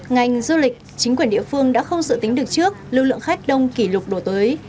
ngành du lịch chính quyền địa phương đã không dự tính được trước lưu lượng khách đông kỷ lục đổ tới